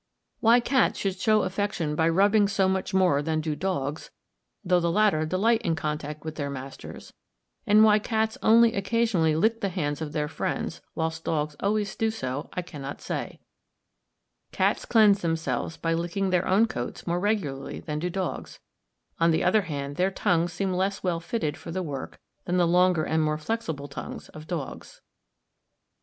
Why cats should show affection by rubbing so much more than do dogs, though the latter delight in contact with their masters, and why cats only occasionally lick the hands of their friends, whilst dogs always do so, I cannot say. Cats cleanse themselves by licking their own coats more regularly than do dogs. On the other hand, their tongues seem less well fitted for the work than the longer and more flexible tongues of dogs. Cat Terrified at a Dog. Fig.